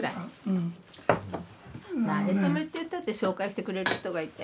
馴れ初めって言ったって紹介してくれる人がいて。